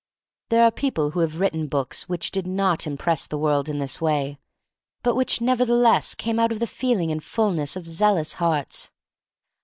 There are people who have written books which did not impress the world in this way, but which nevertheless came out of the feeling and fullness of zealous hearts.